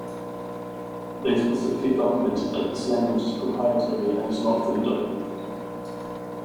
They specifically documented that this language is proprietary and is not fully documented.